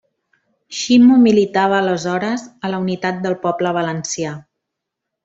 Ximo militava aleshores a la Unitat del Poble Valencià.